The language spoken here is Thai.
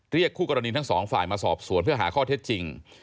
คู่กรณีทั้งสองฝ่ายมาสอบสวนเพื่อหาข้อเท็จจริง